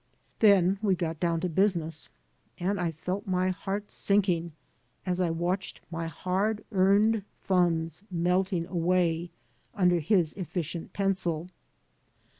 Then we got down to business, and I felt my heart sinking as I watched my hard earned funds melting away under his e£Scient pencil.